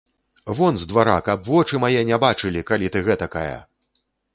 Вон з двара, каб вочы мае не бачылі, калі ты гэтакая!